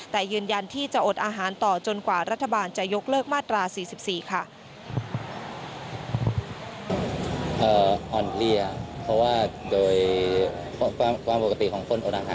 แต่ยืนยันที่จะอดอาหารต่อจนกว่ารัฐบาลจะยกเลิกมาตรา๔๔ค่ะ